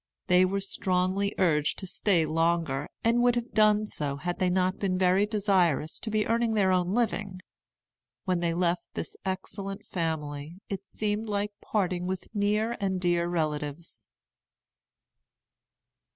They were strongly urged to stay longer, and would have done so had they not been very desirous to be earning their own living. When they left this excellent family it seemed like parting with near and dear relatives.